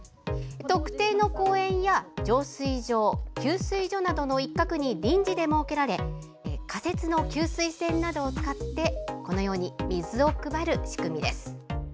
特定の公園や浄水場、給水所などの一角に臨時で設けられ仮設の給水栓などを使って水を配る仕組みです。